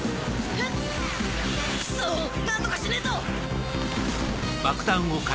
⁉クソ何とかしねえと！